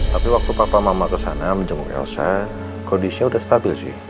tapi waktu papa mama kesana menjenguk elsa kondisinya sudah stabil sih